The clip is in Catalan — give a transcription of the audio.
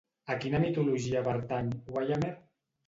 A quina mitologia pertany Ymir?